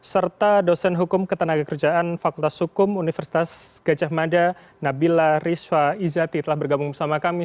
serta dosen hukum ketenaga kerjaan fakultas hukum universitas gajah mada nabila rizwa izati telah bergabung bersama kami